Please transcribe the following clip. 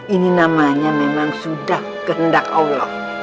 ini namanya memang sudah kehendak allah